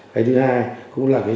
cái thứ hai cũng là